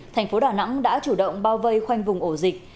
thành phố đà nẵng đã chủ động bao vây khoanh vùng ổ dịch